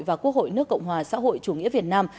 và quốc hội nước cộng hòa xã hội chủ nghĩa việt nam